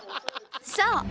そう！